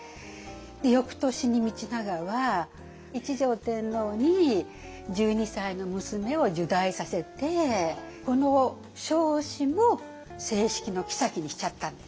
翌年に道長は一条天皇に１２歳の娘を入内させてこの彰子も正式の后にしちゃったんです。